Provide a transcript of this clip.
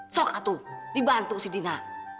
sok tuh dibantu si dina